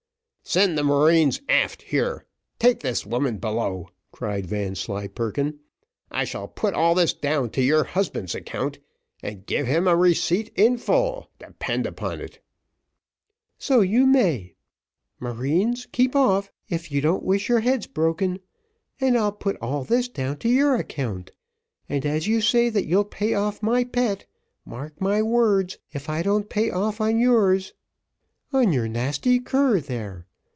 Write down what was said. "Send the marines aft here. Take this woman below," cried Vanslyperken. "I shall put all this down to your husband's account, and give him a receipt in full, depend upon it." "So you may. Marines, keep off, if you don't wish your heads broken; and I'll put all this down to your account; and as you say that you'll pay off on my pet, mark my words, if I don't pay off on yours on your nasty cur there.